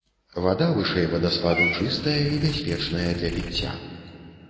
Вада вышэй вадаспаду чыстая і бяспечная для піцця.